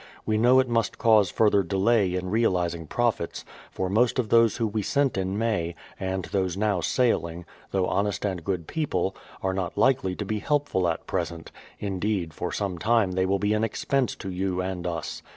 We know it must cause further delay in reaUzing profits, for most of those who we sent in Alay, and those now sailmg, though honest and good people, are not likely to be helpful at present — indeed, for some time they will be an expense to you and us.